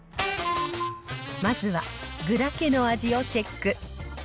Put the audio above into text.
まずは具だけの味をチェック。